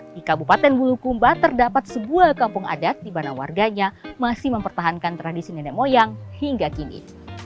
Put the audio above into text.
di kabupaten bulukumba terdapat sebuah kampung adat di mana warganya masih mempertahankan tradisi nenek moyang hingga kini